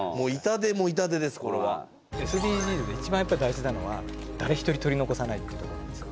ＳＤＧｓで一番やっぱり大事なのは誰一人取り残さないっていうとこなんですよ。